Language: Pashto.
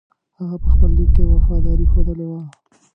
هغه په خپل لیک کې وفاداري ښودلې وه.